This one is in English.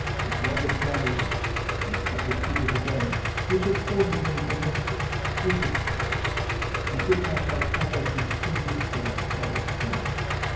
It was a day (I cannot but repeat it again) which afforded me the most exquisite happiness, and which I shall ever distinguish with the fairest mark.